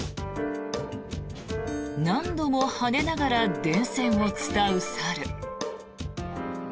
何度も跳ねながら電線を伝う猿。